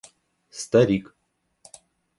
старик